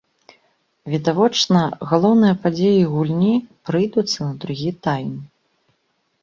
Відавочна, галоўныя падзеі гульні прыйдуцца на другі тайм!